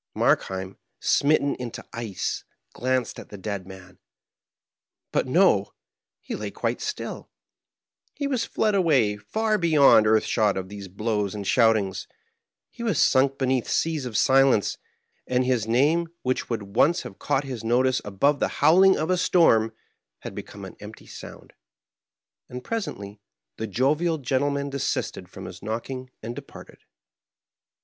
Mark heim, smitten into ice, glanced at the dead man. But no 1 he lay quite still ; he was fled away far beyond ear shot of these blows and shoutings ; he was sunk beneath seas of silence ; and his name, which would once have caught his notice above the howling of a storm, had be come an empty sound. And presently the jovial gentle man desisted from his knocking and departed.